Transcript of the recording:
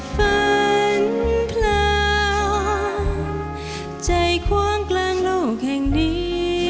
ฝันเพลิงใจคว้างกลางโลกแห่งนี้